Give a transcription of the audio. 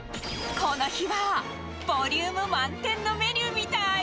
この日は、ボリューム満点のメニューみたい。